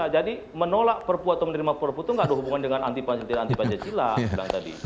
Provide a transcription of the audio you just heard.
jadi menolak perpu atau menerima perpu itu nggak ada hubungan dengan antipancar cilang